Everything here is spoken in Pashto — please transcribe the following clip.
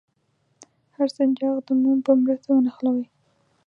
هر سنجاق د موم په مرسته ونښلوئ.